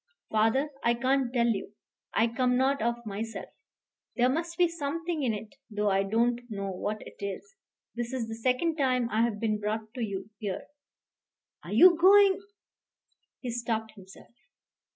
"Father, I can't tell you. I come not of myself. There must be something in it, though I don't know what it is. This is the second time I have been brought to you here." "Are you going ?" He stopped himself.